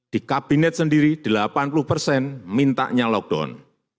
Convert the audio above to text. di kabinet sendiri delapan puluh persen mintanya lockdown